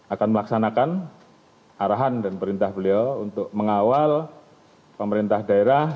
akan melaksanakan arahan dan perintah beliau untuk mengawal pemerintah daerah